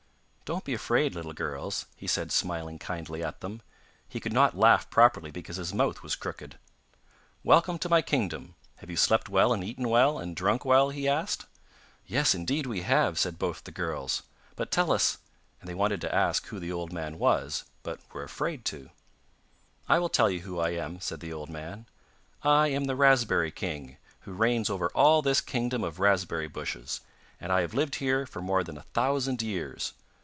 'Don't be afraid, little girls,' he said smiling kindly at them; he could not laugh properly because his mouth was crooked. 'Welcome to my kingdom! Have you slept well and eaten well and drunk well?' he asked. 'Yes, indeed we have,' said both the girls, 'but tell us...' and they wanted to ask who the old man was, but were afraid to. 'I will tell you who I am,' said the old man; 'I am the raspberry king, who reigns over all this kingdom of raspberry bushes, and I have lived here for more than a thousand years.